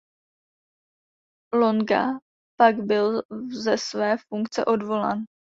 Longa pak byl ze své funkce odvolán.